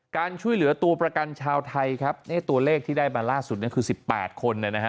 การช่วยเหลือตัวประกันชาวไทยครับตัวเลขที่ได้มาล่าสุดคือ๑๘คนนะฮะ